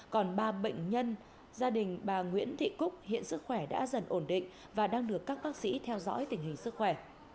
còn ba bệnh nhân gia đình bà nguyễn thị cúc hiện sức khỏe đã dần ổn định và đang được các bác sĩ theo dõi tình hình sức khỏe